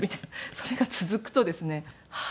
それが続くとですねはあ